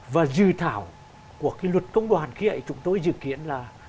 và dự thảo của cái luật công đoàn kia ấy chúng tôi dự kiến là